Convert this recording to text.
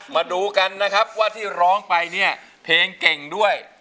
มาดูกันนะครับว่าที่ร้องไปเนี่ยเพลงเก่งด้วย